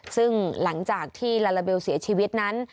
ซึ่งหลังจากที่ลาลาเบลเสียชีวิตนั้น